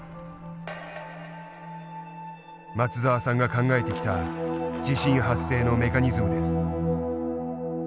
松澤さんが考えてきた地震発生のメカニズムです。